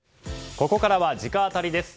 ここからは直アタリです。